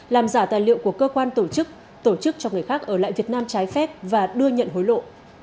làm giả tài liệu của cơ quan tổ chức tổ chức cho người khác ở lại việt nam trái phép và đưa nhận hối lộ